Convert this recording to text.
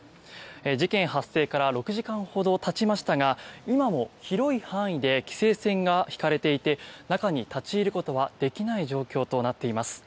事件発生から６時間ほどたちましたが今も広い範囲で規制線が敷かれていて中に立ち入ることはできない状況となっています。